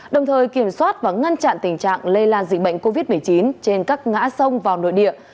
đồng thời kiểm soát và ngăn chặn tình trạng lây lan dịch bệnh covid một mươi chín trên các ngã sông vào nội địa